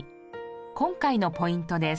今回のポイントです。